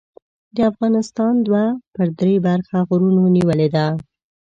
د افغانستان دوه پر درې برخه غرونو نیولې ده.